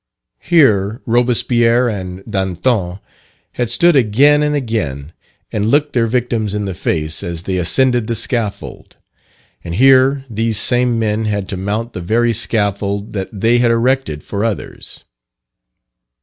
Here Robespierre and Danton had stood again and again, and looked their victims in the face as they ascended the scaffold; and here, these same men had to mount the very scaffold that they had erected for others.